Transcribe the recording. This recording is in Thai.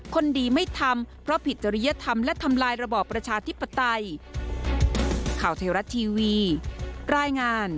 คนดีไม่ทำเพราะผิดจริยธรรมและทำลายระบอบประชาธิปไตย